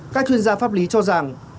các chuyên gia pháp lý cho rằng